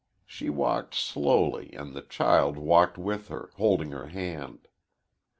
"She walked slowly and the child walked with her, holding her hand.